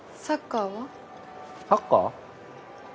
サッカー？